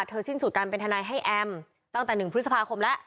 สิ้นสุดการเป็นทนายให้แอมตั้งแต่๑พฤษภาคมแล้ว